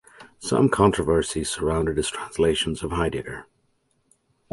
Some controversies surrounded his translations of Heidegger.